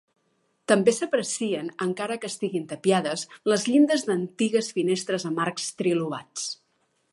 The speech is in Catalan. També s'aprecien, encara que estiguin tapiades, les llindes d'antigues finestres amb arcs trilobats.